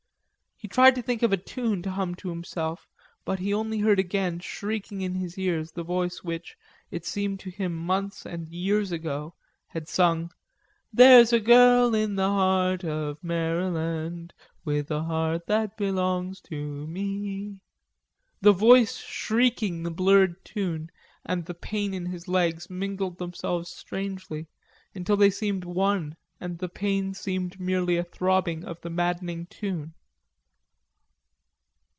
He tried to think of a tune to hum to himself, but he only heard again shrieking in his ears the voice which, it seemed to him months and years ago, had sung: "There's a girl in the heart of Maryland With a heart that belo ongs to me e." The voice shrieking the blurred tune and the pain in his legs mingled themselves strangely, until they seemed one and the pain seemed merely a throbbing of the maddening tune.